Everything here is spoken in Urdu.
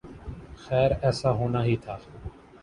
خیر ایسا ہونا ہی تھا۔